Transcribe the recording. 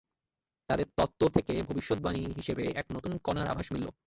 তাঁদের তত্ত্ব থেকে ভবিষ্যদ্বাণী হিসেবে এক নতুন কণার আভাস মিলল।